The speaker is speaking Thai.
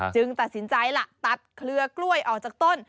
ตัดสินใจล่ะตัดเครือกล้วยออกจากต้น